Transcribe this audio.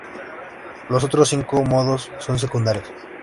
Los otros cinco modos son secundarios.